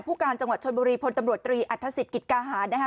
การจังหวัดชนบุรีพลตำรวจตรีอัฐศิษย์กิจกาหารนะคะ